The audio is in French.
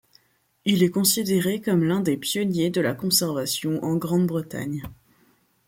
Il est considéré comme l’un des pionniers de la conservation en Grande-Bretagne.